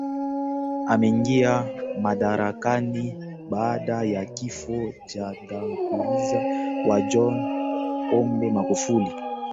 Ameingia madarakani baada ya kifo cha mtangulizi wake John Pombe Magufuli